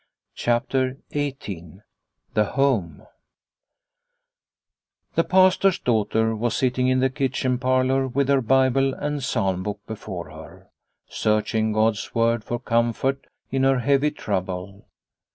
CHAPTER XVIII THE HOME r I ^HE Pastor's daughter was sitting, in the 1 kitchen parlour with her Bible and Psalm book before her, searching God's Word for comfort in her heavy trouble.